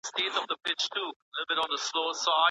نوي مالومات د زاړه مالوماتو ځای نیسي.